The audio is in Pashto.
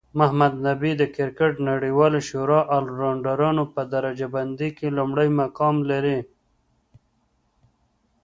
محمد نبي د کرکټ نړیوالی شورا الرونډرانو په درجه بندۍ کې لومړی مقام لري